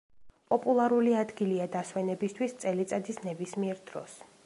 პოპულარული ადგილია დასვენებისთვის წელიწადის ნებისმიერ დროს.